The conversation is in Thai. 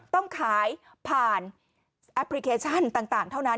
ต้องขายผ่านแอปพลิเคชันต่างเท่านั้น